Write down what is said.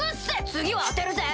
次は当てるぜ！